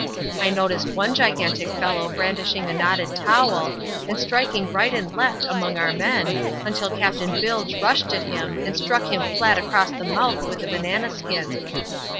I noticed one gigantic fellow brandishing a knotted towel, and striking right and left among our men, until Captain Bilge rushed at him and struck him flat across the mouth with a banana skin.